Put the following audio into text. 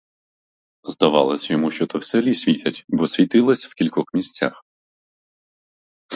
Здавалося йому, що то в селі світять, бо світилося в кількох місцях.